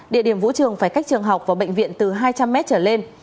địa điểm vũ trường phải cách trường học và bệnh viện từ hai trăm linh m trở lên